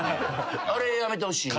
あれやめてほしいな。